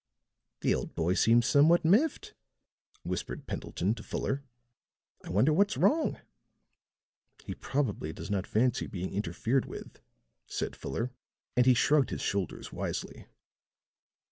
"The old boy seems somewhat miffed," whispered Pendleton to Fuller; "I wonder what's wrong?" "He probably does not fancy being interfered with," said Fuller, and he shrugged his shoulders wisely.